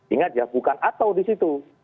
ingat ya bukan atau disitu